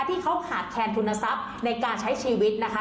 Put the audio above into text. ที่เขาขาดแคนทุนทรัพย์ในการใช้ชีวิตนะคะ